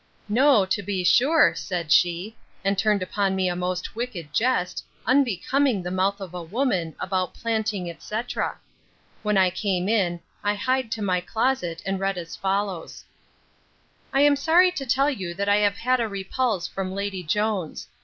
No, to be sure, said she, and turned upon me a most wicked jest, unbecoming the mouth of a woman, about planting, etc. When I came in, I hied to my closet, and read as follows: 'I am sorry to tell you that I have had a repulse from Lady Jones.